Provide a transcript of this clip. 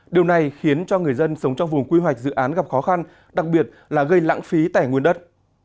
điều này khiến cho người dân sống trong vùng quy hoạch dự án gặp khó khăn đặc biệt là gây lãng phí tẻ nguyên đất